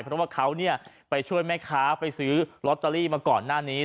เพราะว่าเขาไปช่วยแม่ค้าไปซื้อลอตเตอรี่มาก่อนหน้านี้